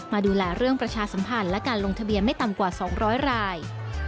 มาดูแลเรื่องประชาสัมพันธ์และการลงทะเบียนไม่ต่ำกว่า๒๐๐ราย